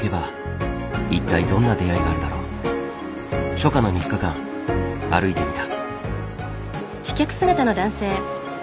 初夏の３日間歩いてみた。